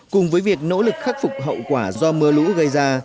cùng với việc nỗ lực khắc phục hậu quả do mưa lũ gây ra